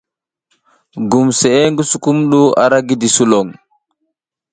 Giseʼe ngi sukumɗu ara gidi sulon.